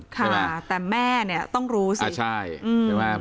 ค่ะแต่แม่เนี่ยต้องรู้สิใช่ใช่ไหม